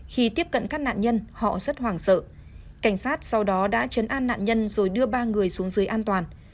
khi tiếp cận các nạn nhân họ rất hoảng sợ cảnh sát sau đó đã chấn an nạn nhân rồi đưa ba người xuống dưới an toàn